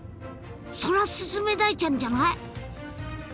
ソラスズメダイちゃんじゃない？